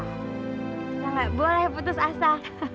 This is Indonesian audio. kita nggak boleh putus asa